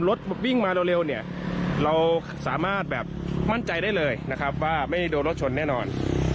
รถวิ่งมาเร็วเนี่ยเราสามารถแบบมั่นใจได้เลยนะครับว่าไม่โดนรถชนแน่นอน